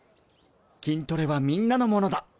筋トレはみんなのものだ！